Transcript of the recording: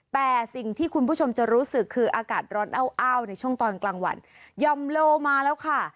แต่สิ่งที่คุณผู้ชมจะรู้สึกคืออากาศร้อนอ้าวอ้าวในช่วงตอนกลางวันยอมโลมาแล้วค่ะ